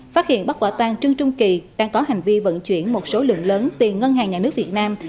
phát hiện bắt quả tăng trưng trưng kỳ đang có hành vi vận chuyển một số lượng lớn tiền ngân hàng nhà nước việt nam